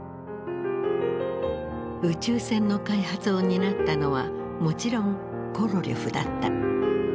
宇宙船の開発を担ったのはもちろんコロリョフだった。